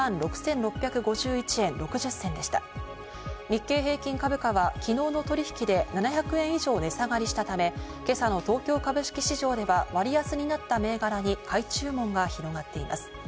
日経平均株価は昨日の取引で７００円以上値下がりしたため、今朝の東京株式市場では割安になった銘柄に買い注文が広がっています。